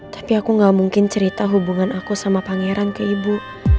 tapi aku gak mungkin cerita hubungan aku sama pangeran ke ibu